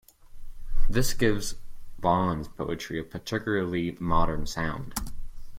This gives Vaughan's poetry a particularly modern sound.